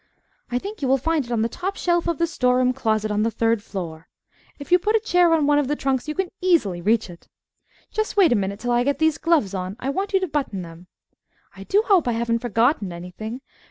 I think you will find it on the top shelf of the store room closet on the third floor. If you put a chair on one of the trunks, you can easily reach it. Just wait a minute, till I get these gloves on; I want you to button them. I do hope I haven't forgotten anything.